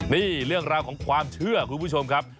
นี่เรื่องราวของความเชื่อคุณผู้ชมครับ